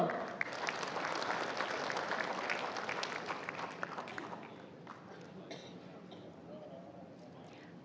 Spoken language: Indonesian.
yang ketiga adalah